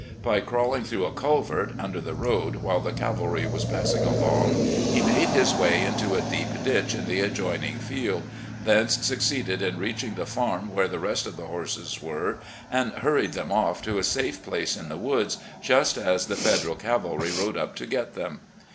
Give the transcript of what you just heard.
By crawling through a culvert, under the road, while the cavalry was passing along, he made his way into a deep ditch in the adjoining field, thence succeeded in reaching the farm where the rest of the horses were, and hurried them off to a safe place in the woods, just as the Federal cavalry rode up to get them.